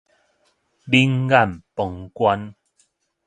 冷眼旁觀